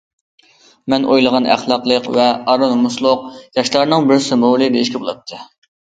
مەن ئويلىغان ئەخلاقلىق ۋە ئار- نومۇسلۇق ياشلارنىڭ بىر سىمۋولى دېيىشكە بولاتتى.